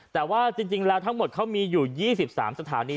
แต่ว่าจริงจริงแล้วทั้งหมดเขามีอยู่ยี่สิบสามสถานี